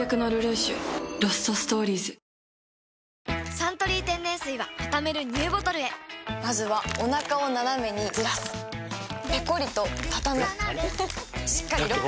「サントリー天然水」はたためるＮＥＷボトルへまずはおなかをナナメにずらすペコリ！とたたむしっかりロック！